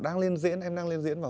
đang lên diễn em đang lên diễn và